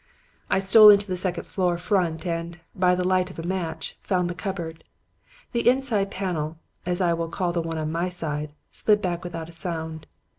"I stole into the second floor front and, by the light of a match, found the cupboard. The inside panel as I will call the one on my side slid back without a sound.